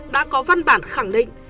đã có văn bản khẳng định